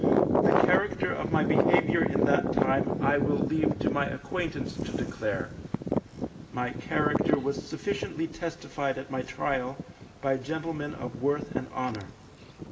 The character of my behaviour in that time I will leave to my acquaintance to declare; my character was sufficiently testified at my trial, by gentlemen of worth and honour.